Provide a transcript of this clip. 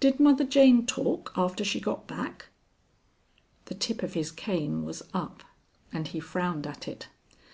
Did Mother Jane talk after she got back?" The tip of his cane was up, and he frowned at it.